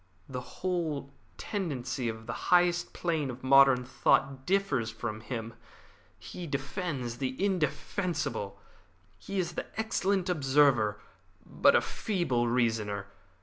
The whole tendency of the highest plane of modern thought differs from him. He defends the indefensible. He is an excellent observer, but a feeble reasoner.